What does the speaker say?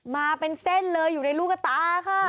มาเป็นเส้นเลยอยู่ในลูกกระตาค่ะ